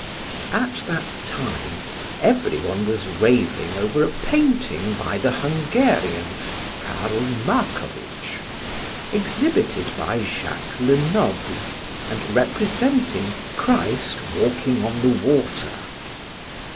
At that time everyone was raving over a painting by the Hungarian, Karl Marcovitch, exhibited by Jacques Lenoble and representing "Christ Walking on the Water."